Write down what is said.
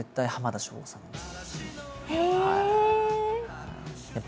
へえ！